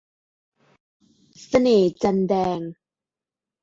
เสน่ห์จันทร์แดง